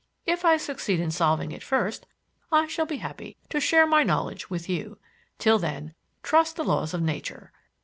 If I succeed in solving it first, I shall be happy to share my knowledge with you. Till then, trust the laws of nature.